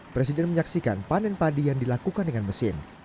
presiden menyaksikan panen padi yang dilakukan dengan mesin